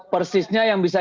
persisnya yang bisa